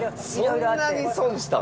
そんなに損したん？